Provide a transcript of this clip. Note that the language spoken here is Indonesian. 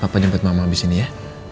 papa jemput mama habis ini ya